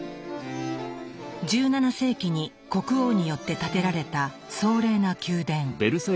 １７世紀に国王によって建てられた壮麗な宮殿。